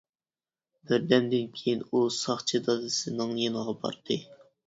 بىردەمدىن كېيىن ئۇ ساقچى دادىسىنىڭ يېنىغا باردى.